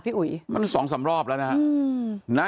พี่อุ๋ยมันสองสามรอบแล้วนะฮะอืม